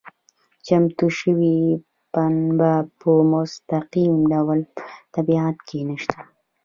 چمتو شوې پنبه په مستقیم ډول په طبیعت کې نشته.